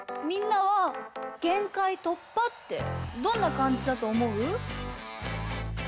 みんなは「限界突破」ってどんなかんじだとおもう？